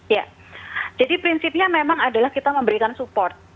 ya jadi prinsipnya memang adalah kita memberikan support